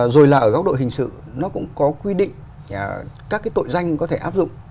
rồi là ở góc độ hình sự nó cũng có quy định các cái tội danh có thể áp dụng